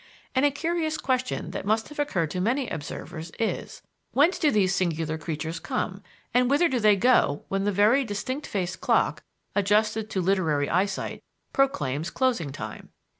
And a curious question that must have occurred to many observers is: Whence do these singular creatures come, and whither do they go when the very distinct faced clock (adjusted to literary eyesight) proclaims closing time?